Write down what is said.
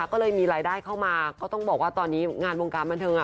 ก็เลยมีรายได้เข้ามาก็ต้องบอกว่าตอนนี้งานวงการบันเทิง